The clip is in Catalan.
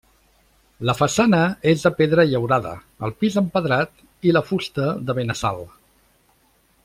La façana és de pedra llaurada, el pis empedrat, i la fusta de Benassal.